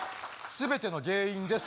全ての原因です